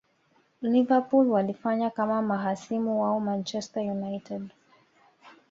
liverpool walifanya kama mahasimu wao manchester united